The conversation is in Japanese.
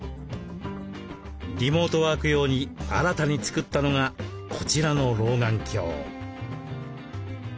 リモートワーク用に新たに作ったのがこちらの老眼鏡。